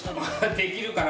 できるかな？